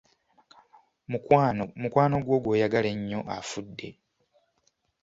Mukwano gwo gw'oyagala ennyo afudde !